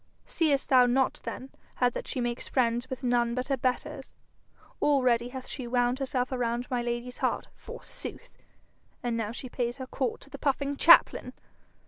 'Seest thou not then how that she makes friends with none but her betters? Already hath she wound herself around my lady's heart, forsooth! and now she pays her court to the puffing chaplain!